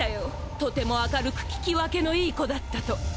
とても明るく聞き分けの良い子だったと！